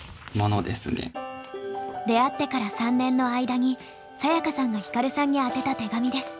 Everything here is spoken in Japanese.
出会ってから３年の間にサヤカさんがヒカルさんに宛てた手紙です。